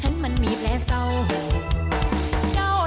เฮ้ามาจส